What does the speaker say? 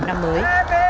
chúc mừng năm mới